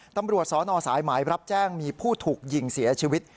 ตำรวจสนสายหมายรับแจ้งมีผู้ถูกยิงเสียชีวิต